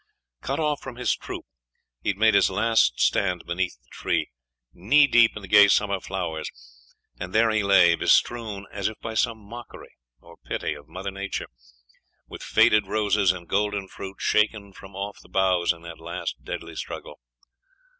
Cut off from his troop, he had made his last stand beneath the tree, knee deep in the gay summer flowers, and there he lay, bestrewn, as if by some mockery or pity of mother nature, with faded roses, and golden fruit, shaken from off the boughs in that last deadly struggle.